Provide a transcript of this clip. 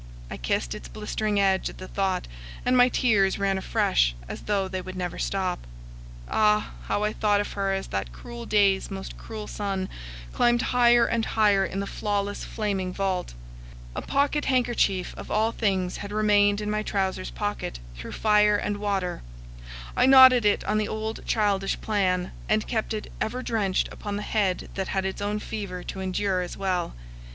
I kissed its blistering edge at the thought, and my tears ran afresh, as though they never would stop. Ah! how I thought of her as that cruel day's most cruel sun climbed higher and higher in the flawless flaming vault. A pocket handkerchief of all things had remained in my trousers pocket through fire and water; I knotted it on the old childish plan, and kept it ever drenched upon the head that had its own fever to endure as well.